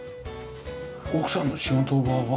奥さんの仕事場は？